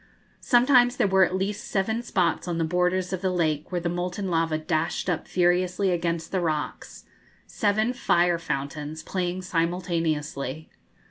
Sometimes there were at least seven spots on the borders of the lake where the molten lava dashed up furiously against the rocks seven fire fountains playing simultaneously.